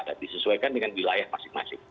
dan disesuaikan dengan wilayah masing masing